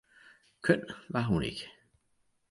Køn var hun ikke.